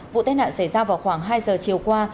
vụ tai nạn xảy ra vào khoảng hai giờ chiều qua